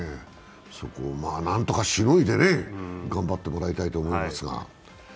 そこを何とかしのいで頑張ってもらいたいと思いますが。